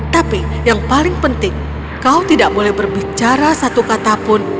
tapi yang paling penting kau tidak boleh berbicara satu katapun